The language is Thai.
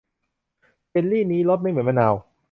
เจลลี่นี้รสไม่เหมือนมะนาว